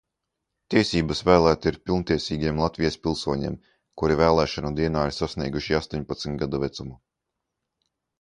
Tiesības vēlēt ir pilntiesīgiem Latvijas pilsoņiem, kuri vēlēšanu dienā ir sasnieguši astoņpadsmit gadu vecumu.